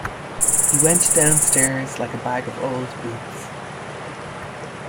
He went downstairs like a bag of old boots.